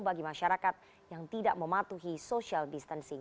bagi masyarakat yang tidak mematuhi social distancing